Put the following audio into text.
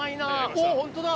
おぉホントだ！